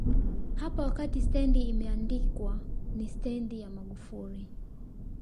hapa wakati stendi imeandikwa ni Stendi ya Magufuli